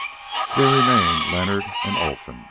There remained Leonard and Olfan.